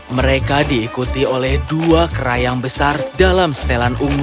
mereka diikuti oleh dua kerayang besar dalam setelan ungu